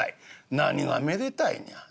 何がめでたいねや？